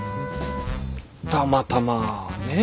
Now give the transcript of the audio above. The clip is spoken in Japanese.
たまたまねぇ。